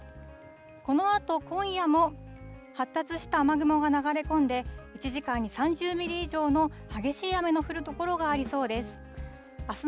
このあと今夜も、発達した雨雲が流れ込んで、１時間に３０ミリ以上の激しい雨の降る所がありそうです。